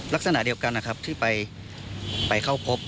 ลักษณะเดียวกันนะครับที่ไป